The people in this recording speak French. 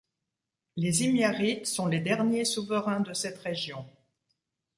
Les Himyarites sont les derniers souverains de cette région.